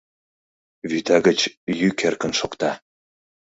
- вӱта гыч йӱк эркын шокта.